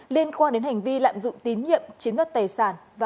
liên quan đến hành vi lạm dụng tín nhiệm chiếm đất tài sản